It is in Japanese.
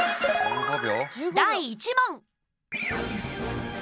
第１問。